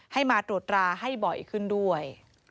ให้มาตรวจราให้บ่อยขึ้นด้วย